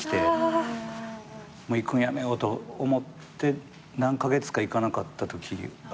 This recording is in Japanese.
もう行くんやめようと思って何カ月か行かなかったときあって。